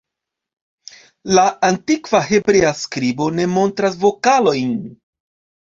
La antikva hebrea skribo ne montras vokalojn.